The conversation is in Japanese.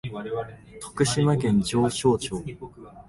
徳島県上勝町